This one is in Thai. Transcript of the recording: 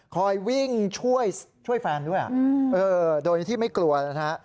คอยวิ่งช่วยแฟนด้วยโดยที่ไม่กลัวนะฮะ